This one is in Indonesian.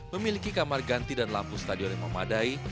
memiliki kamar ganti dan lampu stadion yang memadai